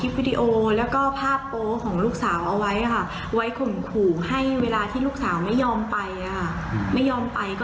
ว่าเขาได้เอาสายไฟหนวดกุ้งลัดมือแล้วก็เอาผ้าปิดปาก